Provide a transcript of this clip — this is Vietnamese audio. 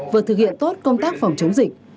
vừa thực hiện tốt công tác phòng chống dịch